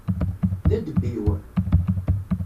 D adebbiw?